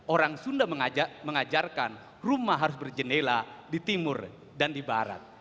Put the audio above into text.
orang sunda mengajarkan rumah harus berjenela di timur dan di barat